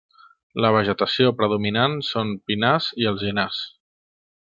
La vegetació predominant són pinars i alzinars.